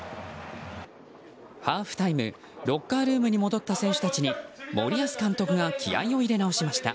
ハーフタイムロッカールームに戻った選手たちに森保監督が気合を入れ直しました。